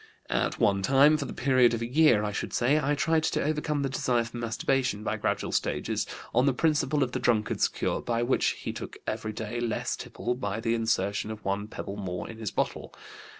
At one time, for the period of a year I should say, I tried to overcome the desire for masturbation by gradual stages, on the principle of the drunkard's cure by which he took every day less tipple by the insertion of one pebble more in his bottle.